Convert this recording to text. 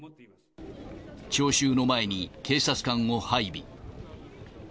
聴衆の前に警察官を配備。